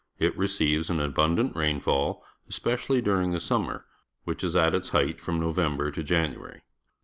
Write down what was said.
It receives an abundant rainfall, especially during the summer, which is at its height from Noy ember to January.